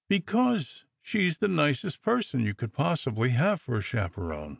" Because she's the nicest person you could possibly have for a chaperon.